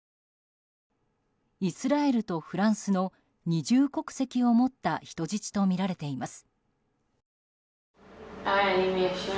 イスラエルとフランスの二重国籍を持った人質とみられています。